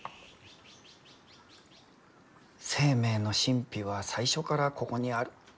生命の神秘は最初からここにある。